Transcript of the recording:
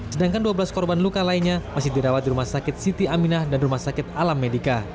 sedangkan dua belas korban luka lainnya masih dirawat di rumah sakit siti aminah dan rumah sakit alam medika